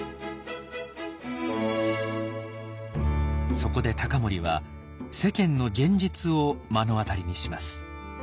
そこで隆盛は世間の現実を目の当たりにします。